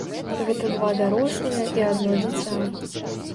Гэта два дарослыя і адно дзіця.